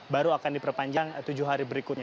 baru akan diperpanjang tujuh hari berikutnya